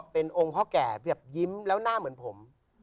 เป็นองค์พ่อแก่แบบยิ้มแล้วหน้าเหมือนผม